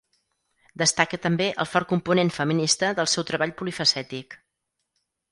Destaca també el fort component feminista del seu treball polifacètic.